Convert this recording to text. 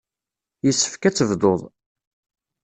Yessefk ad tebduḍ.